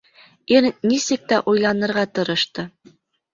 Ир нисек тә уйланырға тырышты.